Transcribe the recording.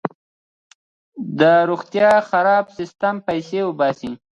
د روغتیا خراب سیستم پیسې وباسي.